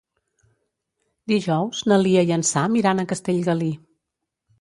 Dijous na Lia i en Sam iran a Castellgalí.